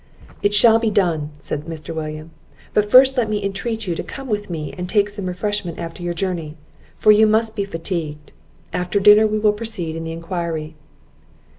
"It shall be done," said Mr. William; "but first let me intreat you to come with me and take some refreshment after your journey, for you must be fatigued; after dinner we will proceed in the enquiry."